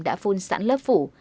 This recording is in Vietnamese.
đã phun sẵn lớp phủ